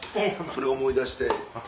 それを思い出して。